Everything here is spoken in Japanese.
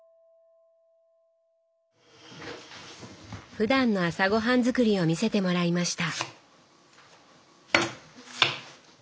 ふだんの朝ごはん作りを見せてもらいました。